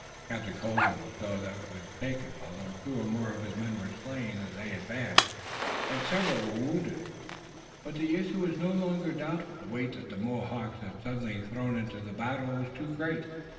Captain Colden saw that it was taken, although two more of his men were slain as they advanced and several were wounded. But the issue was no longer doubtful. The weight that the Mohawks had suddenly thrown into the battle was too great.